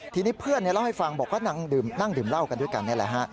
ทีนี้เพื่อนเล่าให้ฟังบอกว่านั่งดื่มเหล้ากันด้วยกันนี่แหละฮะ